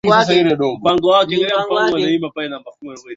sababu inaweza kakifanya kile ambacho ametumwa na mtu